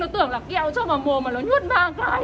nó tưởng là kẹo cho vào mồm mà nó nhuất ba cái